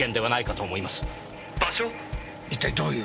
一体どういう？